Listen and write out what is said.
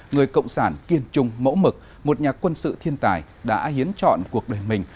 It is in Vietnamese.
người cộng sản kiên trung mẫu mực một nhà quân sự thiên tài đã hiến chọn cuộc đời mình